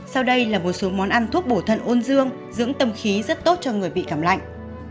sau đây là một số món ăn thuốc bổ thận ôn dương dưỡng tâm khí rất tốt cho người bị cảm lạnh